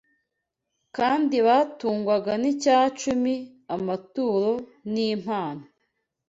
kandi batungwaga n’icyacumi, amaturo n’impano